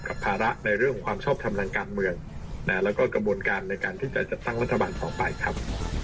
ภาระในเรื่องของความชอบทำทางการเมืองแล้วก็กระบวนการในการที่จะจัดตั้งรัฐบาลต่อไปครับ